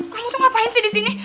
kamu tuh ngapain sih disini